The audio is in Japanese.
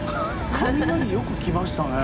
雷よく来ましたね！